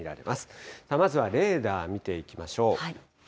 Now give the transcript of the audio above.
まずはレーダー見ていきましょう。